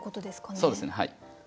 そうですねはい。